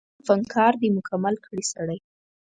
مینه فنکار دی مکمل کړي سړی